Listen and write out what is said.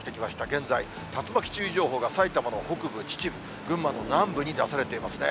現在竜巻注意情報が埼玉の北部、秩父、群馬の南部に出されていますね。